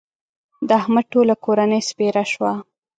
د احمد ټوله کورنۍ سپېره شوه.